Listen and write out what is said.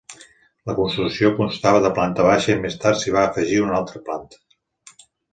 La construcció constava de planta baixa i més tard s’hi va afegir una altra planta.